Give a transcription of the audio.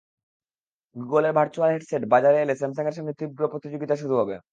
গুগলের virtual headset বাজারে এলে স্যামসাংয়ের সঙ্গে তীব্র প্রতিযোগিতা শুরু হবে।